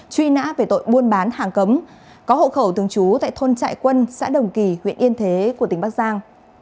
truy nã về tội buôn bán hàng cấm có hộ khẩu thường trú tại thôn trại quân xã đồng kỳ huyện yên thế của tỉnh bắc giang